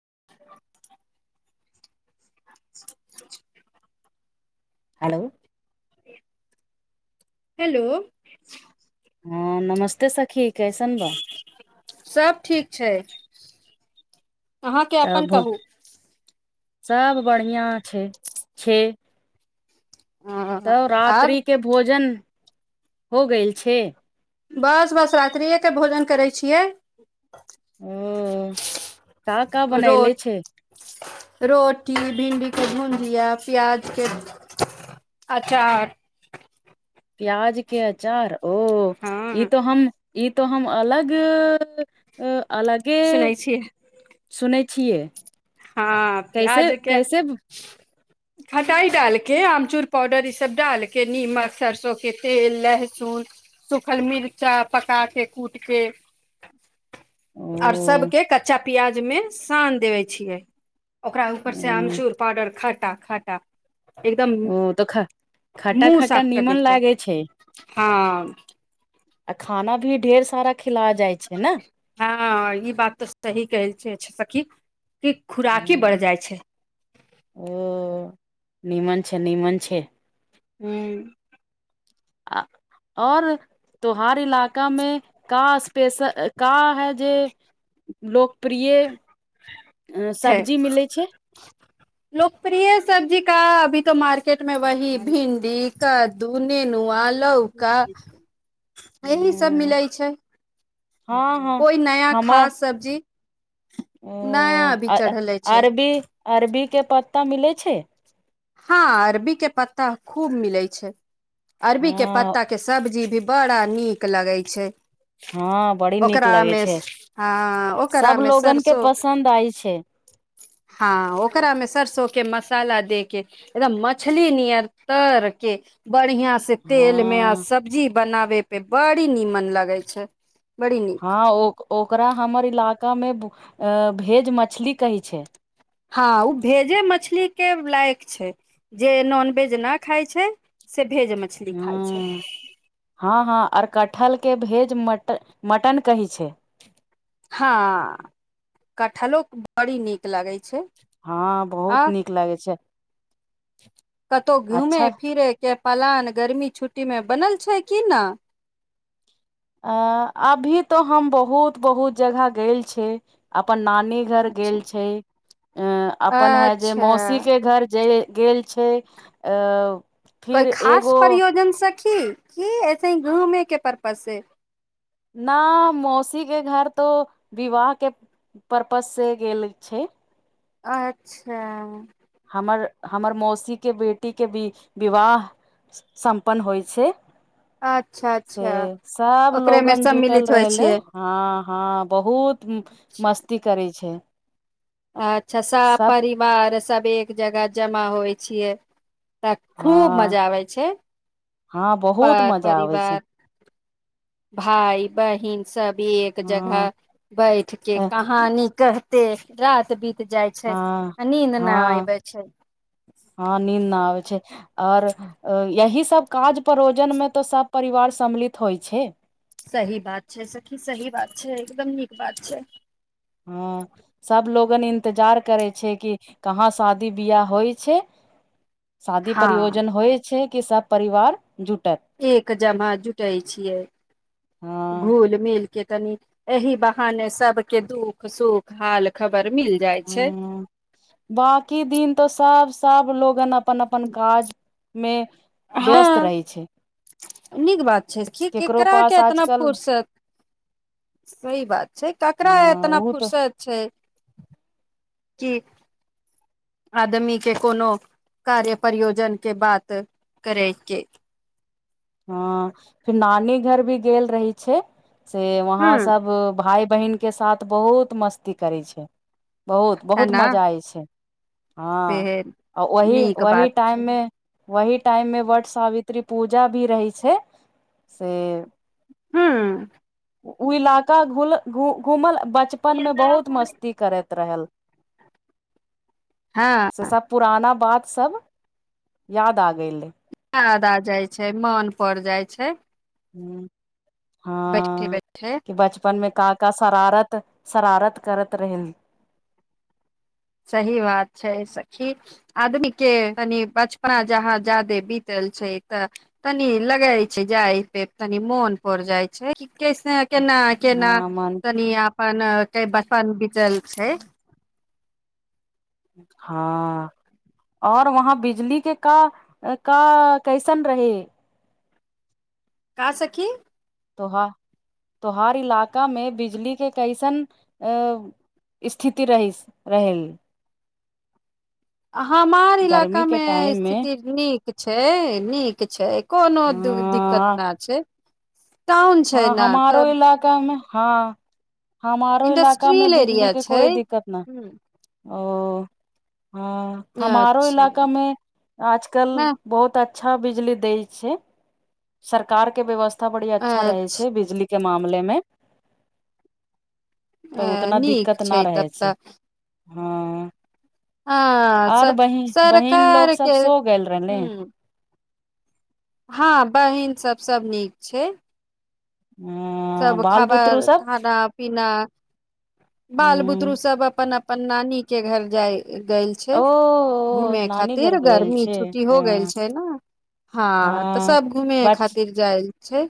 [inaudible] hello hello हँ नमस्ते सखी कैसन बा [inaudible] सब ठीक छै अहाँके अपन कहू सभ बढ़िआँ छै छैय ह तऽ आब रात्रि के भोजन हो गेल छै बस बस रात्रिएके भोजन करै छियै ओ का का रो बनैले छै रोटी भिंडी के भुजिया भिया प्याज के अचार प्याज के अचार ओ ई हँ त हम ई तो हम अलग ए अलगे सुनै छियै सुनै अ- छियै हँ कैसे प्याजके कैसे खटाइ डालि कऽ आमचूर पाउडर इसभ डालि कऽ निमक सरिसोकें तेल लहसुन सूखल मिर्चा पका कऽ कूटि कऽ आओर ओ सबके कच्चा प्याज में सान देवे छियै ओकरा ऊपर से अमचूर पाउडर खा टा खाटा ओ तऽ ख खाटा मुँह खाटा साफ कर दै नीमन लागे छै हँ आ खाना भी ढेर सारा ख- हँ ई बात तऽ सही कहल छियै सखी की खुराकी ने बढ़ जाइ छै निमन छै निमन छै हूँ आ और त्योहार इलाकामे का स्पेशल का है जे लोक छै मिलै छै लोकप्रिय सब्जी का अभी मार्के- केट मे वही भिन्डी त [inaudible] दू नेनुआ लौका यही सब मिलै हूँ छै हँ ह कोइ नया हमर खास सब्जी ओ नया अभी चढ़ले छै अरबी अरबी के पत्ता मिलै छै हँ अरबी के पत्ता खूब मिलै छै अरबी के हँ पत्ता के सब्जी भी - बड़ा नीक लगै छै हँ बड़ी नीक लगै ओकरामे छै हँ सब ओकरामे लोगन के सरसों पसन्द आइ छै हँ ओकरामे सरसों के मस्त- मसाला दे के एकद मछली नियर तरके बढ़िया से तेल मे आ हँ सब्जी बनावे पे बड़ी नीमन लगे अच्छा हँ ओ -ओकरा हमर इला- का मे अए भेज मछली कहै छै हँ ओ भेजे मछली के लायक छै जे नॉनवेज नहि खाय छै से भेज मछली खाय छै हँ हँ हँ आर कटहल के भेज मटन कहै छै हँ कटहलो बड़ी नीक लगै छै हँ बहुत आ नीक लागै छै कतहु घूमे अच्छा फिरे के प्लान गर्मी छुट्टीमे बनल छै कि नहि अ अभी तो हम बहुत बहुत जगह गेल छी अपन नानी नी घर अच्छा गेल छै अं अपन है जे मौसी अच्छा के घर जेय- गेल छै आ कोइ खास प्रयोजन सखी की ऐसे ही घुमे के पर- पस से न मौसीक के घर तो विवाह के पर्पस से गेल छै अच्छा हमर हमर मौसीके बेटीके भी विवाह सम्पन्न होइ छै अच्छा से अच्छा सब ओकरे मे लोगन जूटल सम्मिलित होइ रहले छियै हँ हँ बहुत मस्ती करै छै अच्छा सभ सब परिवार सभ एक जगह जमा होइ छियै तऽ खूब हँ मजा आबै छै हँ बहुत मजा आबै छै भाइ बहिन सब भी एक हँ जगह बैठ के कहानी कह ते राति बीत- जाइ छै हँ आ नींद न हँ आबे छै हँ नीन्द ना आबै छै आओर यही सब काज परोजन मे तऽ सब परिवार सम्मिलित होइ छै सही बात छै सखी सही बात छै एकदम नीक बात छै हँ सभ लोगन इन्तजार करै छै कि कहाँ शादी ब्याह होइ छै शादी हँ परियोजन होइ छै के सभ परिवार जुट एक जमा जुटै छियै हँ घुल मिल के तनी एहि बहान सब के दुःख सुख हाल ख- हूँ बांकी दिन तऽ सब- सब लोगन अपन अपन काज मे व्यस्त हँ रहै छै नीक बात छै कि केकरो केकरा के पास एतना आजकल फुर्सत सही बात छै ककरा हँ एतना ओ तऽ फुर्सत छै की आदमीे के कोनो कार्य प्रयोजन के बात करैके हँ फेर नानी घर भी गेल रहै छै से वहाँ ह सब भाइ बहिनके साथ बहुत मस्ती करै छै बहुत है बहुत न मजा आय छै हँ सेहे आ ओही नीक ओही बात छै टाइममे वही टाइम मे वट सावित्री पूजा भ- भी रहै छै से हूँ ओ इलाका घुल घुमल बचपन मे बहुत मस्ती करैत रहल हँ से सब पुराना बात सब याद आ गेलै याद आ जाइ छै मन पैरइ जाइ छै हूँ बैठे हँ बैठे कि बचपन मे का का शरारत शरारत करैत रहैन सही बात छै सखी आदमी के तनि बचपना जहाँ जादे बीतल छै तऽ तनी लगै छै जाय पे तनी मोन पड़ जाइ छै केसन केना केना हँ मन तनी आपन [inaudible] क बस बचल छै [inaudible] हँ आओर वहाँ बिजली के का का कैसन रहै का सखी तोहा तोहार इलाकामे बिजली के कैसन अ स्थिति रहहिस रहै हमार इलाका गर्मी के में टाइम मे स्थिति नीक छै नीक छै कोनो दिक्कत हँ न छै टाउन हँ छै ने हमारो तऽ इलाकामे हँ हमारो इलाका मे इंडस्ट्रियल बिजली एरिया के छै कोइ दिक्कत न ह ओ हँ हमारो अच्छा इलाका मे आजकल न बहुत अचछ अच्छा बिजली दै छै सरकार के व्यवस्था बड़ी अच्छा रहै छै बिजली के मामले में तऽ उतना नीक दिक्कत ना छै रहै तब तऽ छै हँ हँ आर स बहिन बहिन लोग सरकारके सब सो गेल रहले हूँ हँ बहिन सभ सभ नीक छै अ सब बाल बुतरू खबर सब खाना पीना बाल बुतरु ह सब अपन अपन अपन नानी के घर जाय गेल छै ओ घूमे नानी घर खातिर गेल गर्मी छै छुट्टी हो ह गेल छै ने हँ तऽ सब घूमे खातिर जायल छै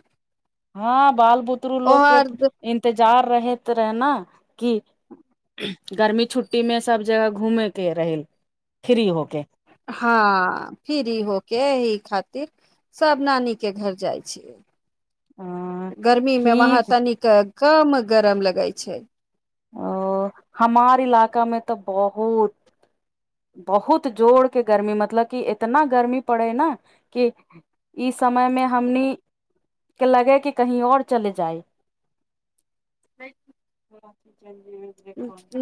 हँ बाल बुतरू लोक के ओहर इन्त- विचार रहैत रह ने कि गर्मी छुट्टी मे सब जगह घूमे के रह फ्री हो हँ फिर हो के इ खा- सब नानी के घर जाइ छियै अ गर्मी मे वहाँ ठीक तनिक कम गरम लगै छै ओ हमार इलाका मे तऽ बहुत बहुत जोड़ के गर्मी मतलब कि इतना गर्मी पड़े न कि इ समयमे हमनी के लगे कि कहीं ओर चले जाइ भ हँ ठीक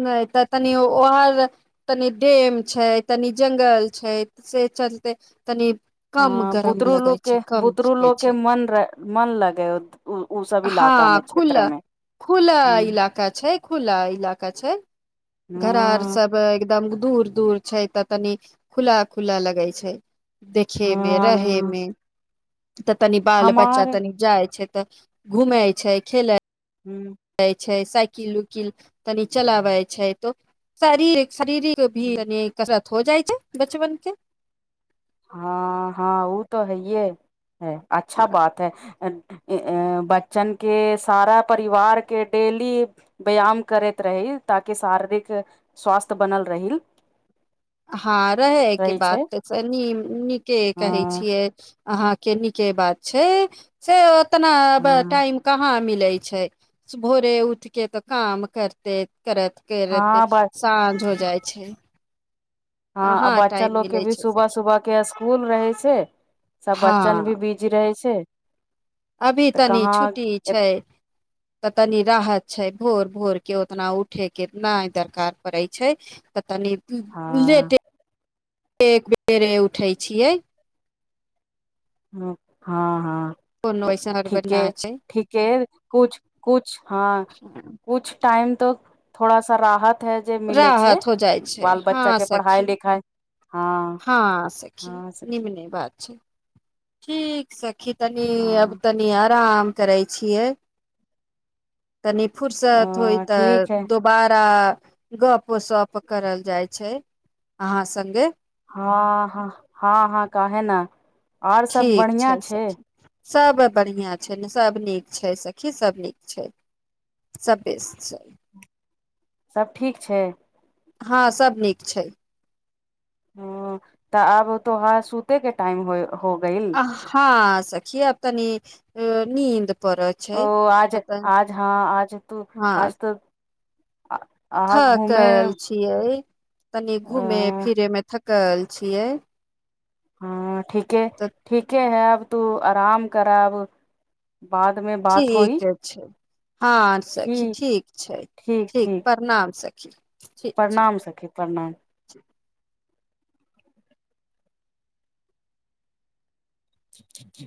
नै त तनि ओहर तनि डेम छै तनि जंगल छै से चलते तनि कम हँ गरम बुतरु लगै लोक छै के कम खिकै बुतरुलोक के छै मन रह मन लगै ओत हँ खुला खुला ह इलाका छै खुला इलाका छै घरा आर हँ सब एकदम दूर दूर छै तऽ तनी खुला खुला लगे छै देखेमें हँ रहेमें तऽ तनि बाल बच्चा हमार तनि जाइ छै तऽ घूमै छै खेलै हूँ साइकिल उकिल तनि चलाबै छै तो शरीर शरीरिक भी ह अनी कस - हो जाइ छै बचपन के हँ हँ ओ तऽ हैयए ह अच्छा बात है ए ऐं बच्चनके सारा परिवारके डेली व्यायाम करैत रही ताकि शारीरिक स्वास्थ्य बनल रही हँ रहैके रहै छै बात त स नीम नीके कहै हँ छियै अहाँ के नीके बात छै से ओ - उ तना हँ टाइम कहाँ मिले छै भोरे उठके तऽ काम करते करत करत हँ ब साँझ हो जाइ छै हँ आ कहाँ बच्चा टाइम लोग के मिलै भी छै सुबह सखी सुबह के स्कूल रहै छै सब हँ बच्चन भी बिजी रहै छै अभी तऽ तनी कहाँ छुट्टी छै तऽ तनी राहत छै भोर भोर के उतना उठे के नहि दरकार पड़ै छै त तनी हँ लेटे एक बेेरे उठै छियै हँ कोनो हँ ऐसन हड़बड़ ना ठीके छै ठीके कुछ कुछ हँ कछ टाइम तऽ थोड़ा सा राहत त जे मिलै छै राहत हो जाइ छै बाल हँ बच्चा के पढ़ाइ सखी लिखाइ हँ सखी हँ सखी निम्ने बात छै ठीक छै सखी तनी अब हँ तनी आराम करै छियै कनी फुर्सत होइ अ तऽ ठीक है दोबारा गप सप करल जाइ छै अहाँ संगे हँ ह हँ हँ काहे न आओर सभ बढ़िआँ छै सभ बढ़िआँ छै ने सभ नीक छै सखी सभ नीक छै सभ बेस छै सभ ठीक छै हँ सब नीक छै हँ तऽ आब तोहार सुते के टाइम होय आ हँ सखी तनी अ नीद ओ आज आज हँ आज तू हँ आज तऽ थकल छियै तनी घूमे अ फिरे मे थक कल छियै हँ ठीक ह तऽ ठीके है अब तू आराम कराब बाद मे बात होई हँं सखी ठीक छै ठीक प्रणाम सखी जी प्रणाम सखी प्रणाम [inaudible]